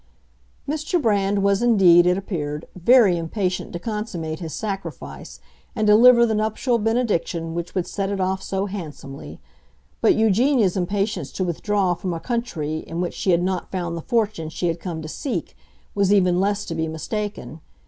Mr. Brand was indeed, it appeared, very impatient to consummate his sacrifice and deliver the nuptial benediction which would set it off so handsomely; but Eugenia's impatience to withdraw from a country in which she had not found the fortune she had come to seek was even less to be mistaken.